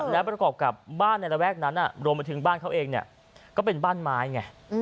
เพราะฉะนั้นโรมถึงบ้านเขาเองเนี่ยก็เป็นบ้านไม้ไง